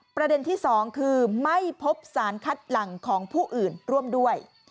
ประเด็นที่๒คือไม่พบสารคัดหลังของผู้อื่นร่วมด้วย